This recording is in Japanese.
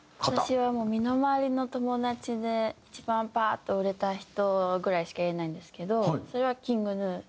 私はもう身の回りの友達で一番パーッと売れた人ぐらいしか言えないんですけどそれはＫｉｎｇＧｎｕですね。